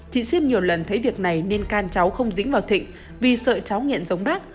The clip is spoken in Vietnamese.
chị xiêm nhiều lần thấy việc này nên can cháu không dính vào thịnh vì sợ cháu nghiện giống rác